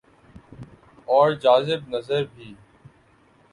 اورجاذب نظربھی۔